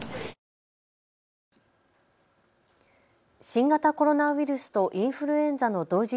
新型コロナウイルスとインフルエンザの同時